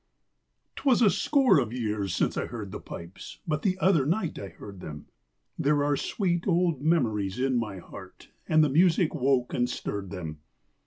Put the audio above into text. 'Twas a score of years since I'd heard the pipes, But the other night I heard them; There are sweet old memories in my heart, And the music woke and stirred them.